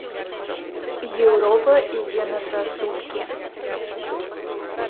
Еўропа ідзе на саступкі.